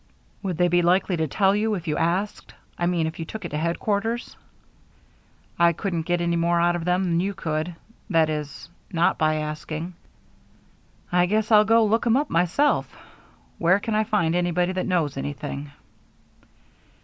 "Would they be likely to tell you if you asked? I mean if you took it to headquarters?" "I couldn't get any more out of them than you could that is, not by asking." "I guess I'll go look 'em up myself. Where can I find anybody that knows anything?"